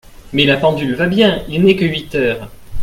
Mais la pendule va bien ; il n’est que huit heures.